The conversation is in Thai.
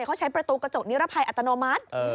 เขาใช้ประตูกระจกนิรภัยอัตโนมัติ